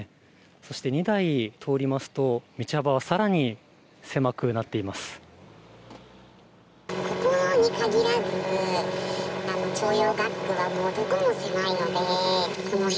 そして２台、通りますと道幅は更に狭くなっています。